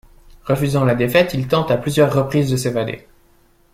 Refusant la défaite, il tente à plusieurs reprises de s'évader.